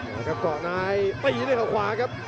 แล้วก็ต่อนายตีด้วยเขาขวาครับ